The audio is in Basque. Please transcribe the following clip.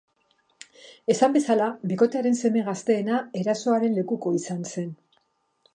Esan bezala, bikotearen seme gazteena erasoaren lekuko izan zen.